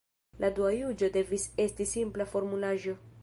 La dua juĝo devis esti simpla formulaĵo.